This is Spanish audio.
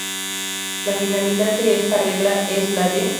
La finalidad de esta regla es la de...